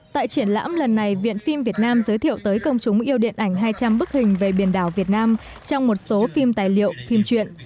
tại triển lãm lần này viện phim việt nam giới thiệu tới công chúng yêu điện ảnh hai trăm linh bức hình về biển đảo việt nam trong một số phim tài liệu phim truyện